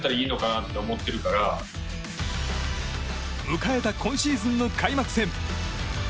迎えた今シーズンの開幕戦。